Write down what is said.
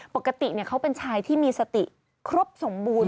ปกติเขาเป็นชายที่มีสติครบสมบูรณ